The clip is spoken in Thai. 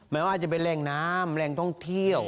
ไม่ว่าจะเป็นแหล่งน้ำแหล่งท่องเที่ยว